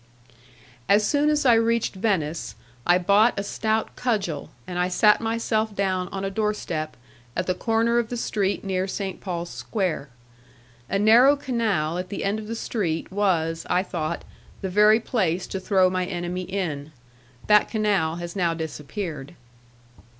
As soon as I reached Venice, I bought a stout cudgel, and I sat myself down on a door step, at the corner of the street near Saint Paul's Square. A narrow canal at the end of the street, was, I thought, the very place to throw my enemy in. That canal has now disappeared.